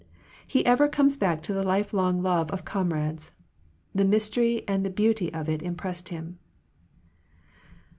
He ever comes back to the lifelong love of comrades. The mystery and the beauty of it impressed him.